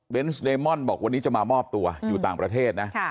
เดมอนบอกวันนี้จะมามอบตัวอยู่ต่างประเทศนะ